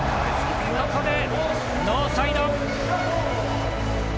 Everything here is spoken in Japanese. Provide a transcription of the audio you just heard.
ここでノーサイド。